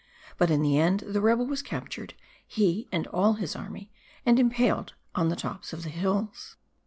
But in the end, the rebel was captured, he and all his army, and impaled on the tops of the hills.